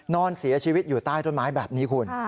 นอนเสียชีวิตอยู่ใต้ต้นไม้แบบนี้คุณ